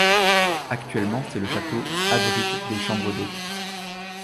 Actuellement c'est le château abrite des chambres d'hôtes.